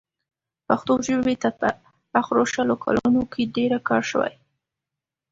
پښتو ژبې ته په اخرو شلو کالونو کې ډېر کار شوی.